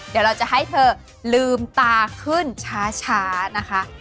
เดี๋ยวเราจะให้เธอลืมตาขึ้นช้านะคะ